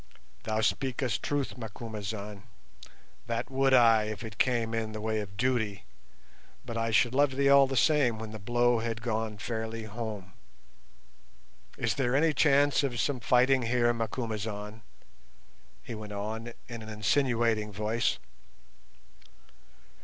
"Thou speakest truth, Macumazahn, that would I if it came in the way of duty, but I should love thee all the same when the blow had gone fairly home. Is there any chance of some fighting here, Macumazahn?" he went on in an insinuating voice.